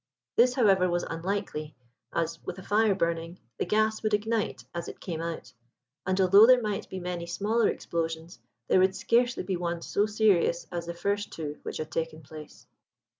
This, however, was unlikely, as, with a fire burning, the gas would ignite as it came out; and although there might be many smaller explosions, there would scarcely be one so serious as the first two which had taken place.